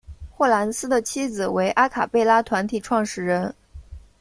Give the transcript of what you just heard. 霍蓝斯的妻子为阿卡贝拉团体创始人。